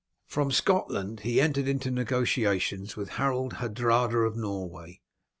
From Scotland he entered into negotiations with Harold Hardrada of Norway.